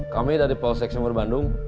kami dari polsek sumur bandung